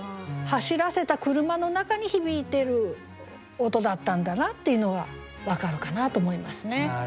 走らせた車の中に響いてる音だったんだなっていうのが分かるかなと思いますね。